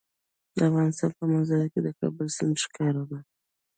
د افغانستان په منظره کې د کابل سیند ښکاره ده.